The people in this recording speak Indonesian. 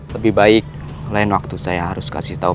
lebih baik lain waktu saya harus kasih tahu